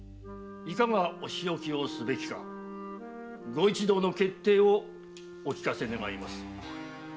いかが仕置きをすべきかご一同の決定をお聞かせ願います。